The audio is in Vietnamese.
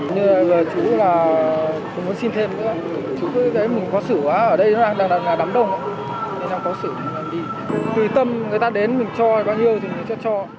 nhưng người đàn ông vẫn không chịu buông tha